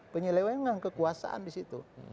penyelewenang kekuasaan di situ